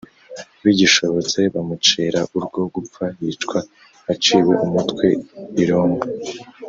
bigishobotse, bamucira urwo gupfa yicwa aciwe umutwe i roma